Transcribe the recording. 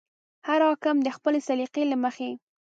هر حاکم د خپلې سلیقې له مخې.